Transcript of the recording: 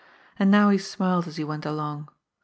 And now he smiled as he went along.